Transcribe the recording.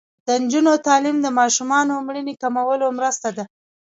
د نجونو تعلیم د ماشومانو مړینې کمولو مرسته ده.